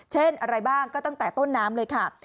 อะไรบ้างก็ตั้งแต่ต้นน้ำเลยค่ะ